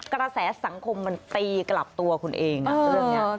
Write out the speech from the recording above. กระแสสังคมมันตีกลับตัวคุณเองเรื่องนี้